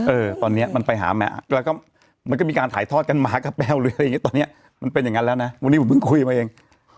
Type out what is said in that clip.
เออตอนนี้มันไปหาหมาแล้วก็มันก็มีการถ่ายทอดกันหมากับแมวหรืออะไรอย่างเงี้ตอนเนี้ยมันเป็นอย่างนั้นแล้วนะวันนี้ผมเพิ่งคุยมาเอง